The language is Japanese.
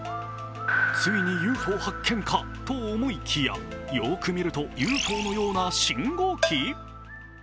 ついにＵＦＯ発見かと思いきやよく見るとＵＦＯのような信号機？